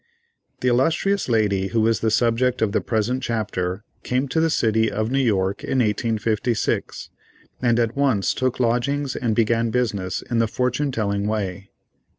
The illustrious lady who is the subject of the present chapter, came to the city of New York in 1856, and at once took lodgings and began business in the fortune telling way.